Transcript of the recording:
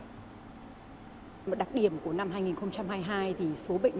một đặc điểm của năm hai nghìn hai mươi hai thì số bệnh